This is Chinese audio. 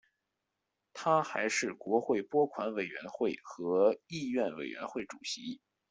他还是国会拨款委员会和议院委员会主席。